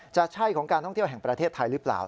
จะใช่ของการท่องเที่ยวแห่งประเทศไทยหรือเปล่า